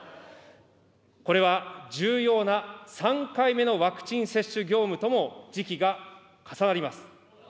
これは重要な３回目のワクチン接種業務とも時期が重なります。